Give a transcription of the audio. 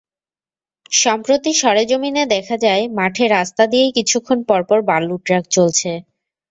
সম্প্রতি সরেজমিনে দেখা যায়, মাঠে রাস্তা দিয়েই কিছুক্ষণ পরপর বালুর ট্রাক চলছে।